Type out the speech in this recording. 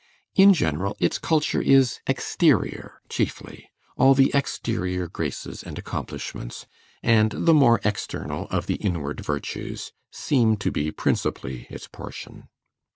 In general its culture is exterior chiefly; all the exterior graces and accomplishments, and the more external of the inward virtues, seem to be principally its portion.